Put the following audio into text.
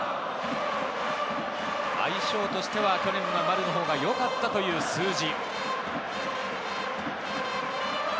相性としては去年は丸のほうがよかったという数字。